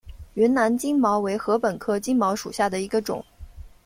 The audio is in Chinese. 云南金茅为禾本科金茅属下的一个种。